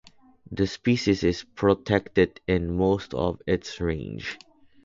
The species is protected in most of its range.